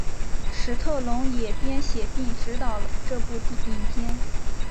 史特龙也编写并执导这部影片。